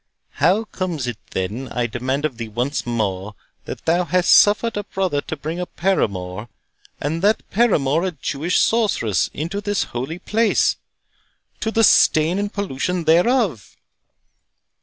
"How comes it, then, I demand of thee once more, that thou hast suffered a brother to bring a paramour, and that paramour a Jewish sorceress, into this holy place, to the stain and pollution thereof?"